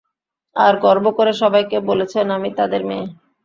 আর গর্ব করে সবাইকে বলছেন আমি তাদের মেয়ে।